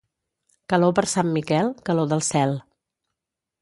Calor per Sant Miquel, calor del cel.